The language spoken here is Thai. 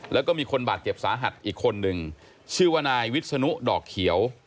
แล้วก็มีคนบาดเจ็บสาหัสอีกคนนึงชื่อว่านายวิศนุดอกเขียว